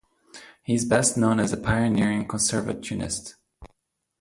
He is best known as a pioneering conservationist.